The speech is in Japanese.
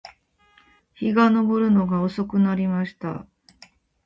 日が登るのが遅くなりました